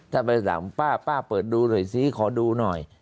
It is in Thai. ถ้าไปถามป้าป้าเปิดดูหน่อยซิขอดูหน่อย